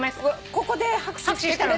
ここで拍手してたの？